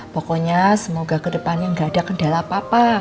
pokoknya semoga kedepannya nggak ada kendala apa apa